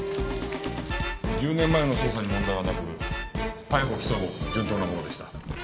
１０年前の捜査に問題はなく逮捕起訴も順当なものでした。